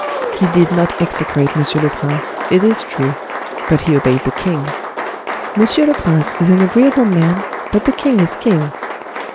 He did not execrate monsieur le prince, it is true, but he obeyed the king. Monsieur le prince is an agreeable man, but the king is king.